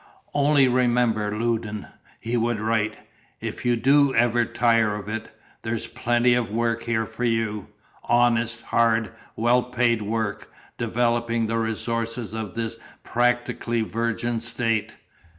"Only remember, Loudon," he would write, "if you ever DO tire of it, there's plenty of work here for you honest, hard, well paid work, developing the resources of this practically virgin State.